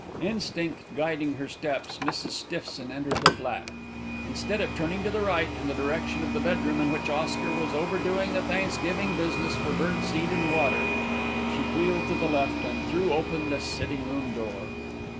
Instinct guiding her steps, Mrs. Stiffson entered the flat. Instead of turning to the right, in the direction of the bedroom in which Oscar was overdoing the thanksgiving business for bird seed and water, she wheeled to the left and threw open the sitting room door.